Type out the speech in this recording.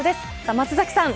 松崎さん